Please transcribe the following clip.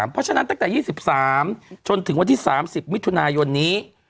เพราะฉะนั้นตั้งแต่๒๓จนถึงวันที่๓๐มิถุนายนนี้